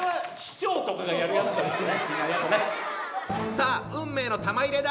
さあ運命の玉入れだ！